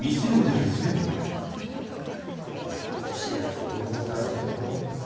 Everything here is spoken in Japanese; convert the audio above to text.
もしやと思うたがじゃのう。